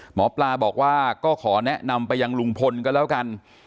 หมอปลาบอกว่าก็ขอแนะนำไปยังลุงพลก็แล้วกัน